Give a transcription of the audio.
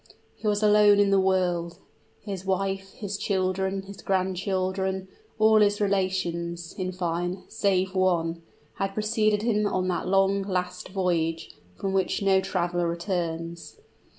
He was alone in the world; his wife, his children, his grandchildren, all his relations, in fine, save one, had preceded him on that long, last voyage, from which no traveler returns.